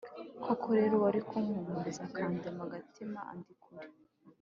koko rero uwari kumpumuriza akandema agatima, andi kure.